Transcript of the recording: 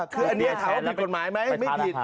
คืออันนี้ถามว่าผิดกฎหมายไหมไม่ผิด